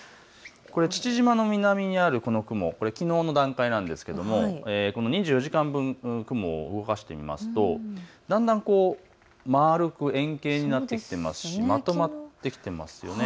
父島の南にあるこの雲、これはきのうの段階なんですが２４時間分、雲を動かしてみますとだんだん丸く、円形になってきてますしまとまってきていますよね。